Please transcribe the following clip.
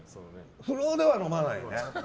風呂では飲まないね。